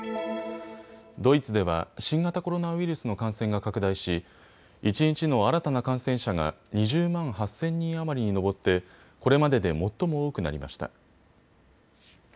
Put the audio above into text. ドイツでは新型コロナウイルスの感染が拡大し一日の新たな感染者が２０万８０００人余りに上ってこれまでで最も多くなりました。